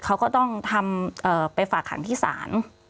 เขาก็ต้องไปฝากหางที่ศาล